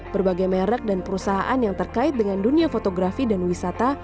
berbagai merek dan perusahaan yang terkait dengan dunia fotografi dan wisata